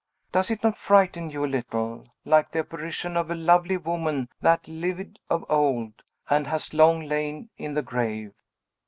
Does it not frighten you a little, like the apparition of a lovely woman that livid of old, and has long lain in the grave?"